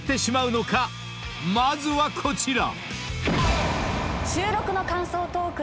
［まずはこちら］